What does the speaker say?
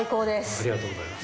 ありがとうございます。